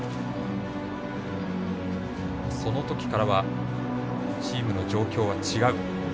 そのときからはチームの状況は違う。